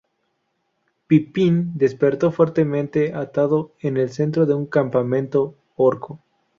Pippin despertó, fuertemente atado, en el centro de un campamento orco...